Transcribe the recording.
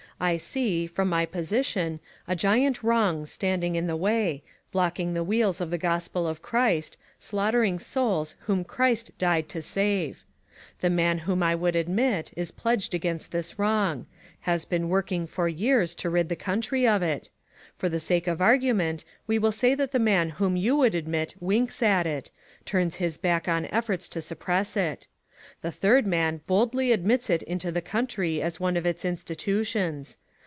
I see, from my position, a giant wrong standing in the way, blocking the wheels of the gospel of Christ, slaughtering souls whom Christ died to save. The man whom I would admit, is pledged PARALLELS. 3OQ against this wrong — has been working for years to rid the country of it. For the sake of argument, we will say that the man whom you would admit winks at it — turns his back on efforts to suppress it. The third man boldly admits it into the country as one of its institutions.